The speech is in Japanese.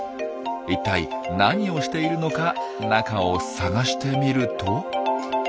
一体何をしているのか中を探してみると。